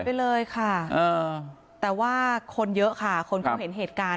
ไปเลยค่ะแต่ว่าคนเยอะค่ะคนเขาเห็นเหตุการณ์